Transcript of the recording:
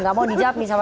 saya mau ke mas umam